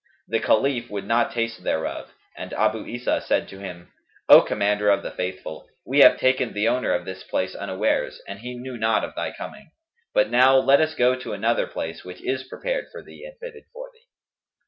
The Caliph would not taste thereof and Abu Isa said to him, "O Commander of the Faithful, we have taken the owner of this place unawares, and he knew not of thy coming; but now let us go to another place which is prepared for thee and fitted for thee."